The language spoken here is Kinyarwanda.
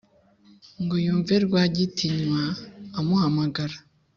ngo yumve rwagitinywa amuhamagara